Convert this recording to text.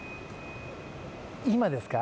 今ですか？